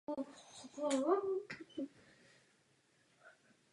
Žili ve Fort Worth v Texasu.